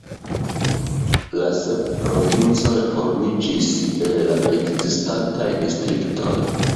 La sep provincoj formiĝis el la ekzistantaj distriktoj.